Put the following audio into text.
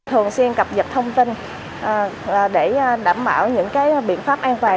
thường xuyên cập nhật thông tin để đảm bảo những biện pháp an toàn